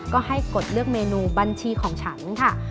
ก็ให้กดเลือกเมนูบัญชีของฉันค่ะ